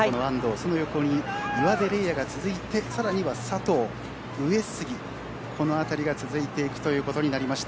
その横に岩出玲亜が続いて佐藤、上杉この辺りが続いていくということにはなりました。